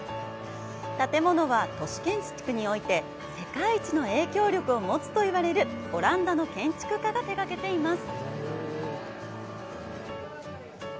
建物は都市建築において世界一の影響力を持つと言われるオランダの建築家が手がけています。